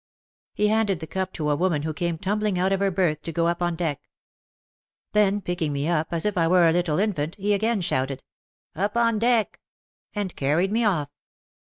He handed the cup to a woman who came tumbling out of her berth to go up on deck. Then pick ing me up as if I were a little infant, he again shouted, "Up on deck !" and carried me off.